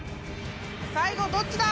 最後どっちだ？